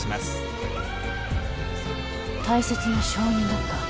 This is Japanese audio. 大切な証人だった。